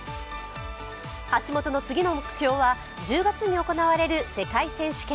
橋本の次の目標は１０月に行われる世界選手権。